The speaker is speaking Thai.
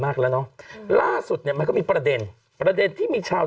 แล้วเนอะล่าสุดเนี่ยมันก็มีประเด็นประเด็นที่มีชาว